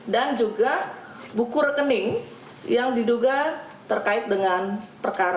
dan juga buku rekening yang diduga terkait dengan perkara